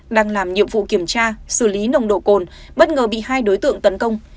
đang làm nhiệm vụ kiểm tra xử lý nồng độ cồn bất ngờ bị hai đối tượng tấn công